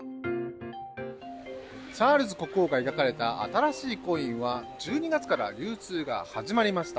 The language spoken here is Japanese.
チャールズ国王が描かれた新しいコインは１２月から流通が始まりました。